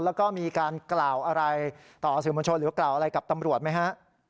แล้วก็มีการกล่าวอะไรต่อสื่อมวลชนหรือกล่าวอะไรกับตำรวจไหมฮะ